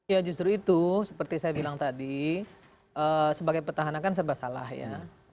ya justru itu seperti saya bilang tadi sebagai petahana kan serba salah ya